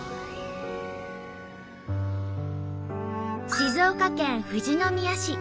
静岡県富士宮市。